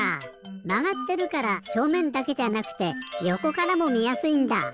まがってるからしょうめんだけじゃなくてよこからもみやすいんだ！